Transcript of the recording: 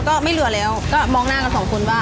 ก็ไม่เหลือแล้วก็มองหน้ากันสองคนว่า